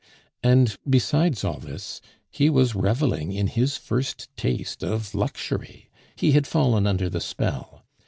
And besides all this, he was reveling in his first taste of luxury; he had fallen under the spell.